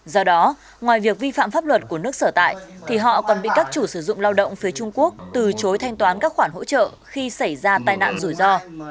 do đó ngoài việc vi phạm pháp luật của nước sở tại thì họ còn bị các chủ sử dụng lao động phía trung quốc từ chối thanh toán các khoản hỗ trợ khi xảy ra tai nạn rủi ro